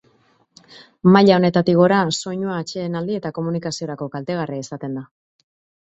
Maila honetatik gora, soinua atsedenaldi eta komunikaziorako kaltegarria izaten da.